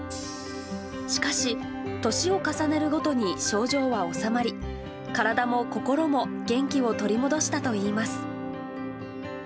しかし、年を重ねるごとに症状は治まり、体も心も元気を取り戻したといいます。